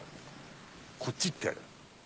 こっちって。